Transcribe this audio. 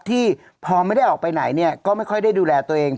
ที่พอไม่ได้ออกไปไหนเนี่ยก็ไม่ค่อยได้ดูแลตัวเอง